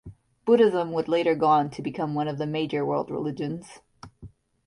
Buddhism would later go on to become one of the major world religions.